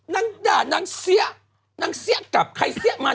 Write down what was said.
นางด่านางเชี๊ยะ